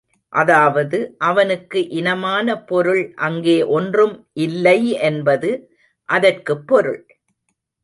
அதாவது அவனுக்கு இனமான பொருள் அங்கே ஒன்றும் இல்லை என்பது அதற்குப் பொருள்.